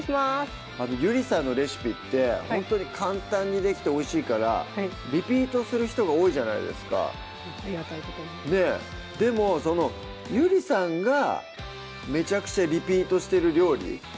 ゆりさんのレシピってほんとに簡単にできておいしいからリピートする人が多いじゃないですかでもそのゆりさんがめちゃくちゃリピートしてる料理